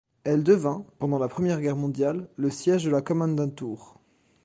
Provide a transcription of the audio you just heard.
Elle devint, pendant la Première Guerre mondiale, le siège de la kommandantur.